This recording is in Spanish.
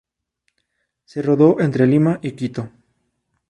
Se rodó entre Lima y Quito.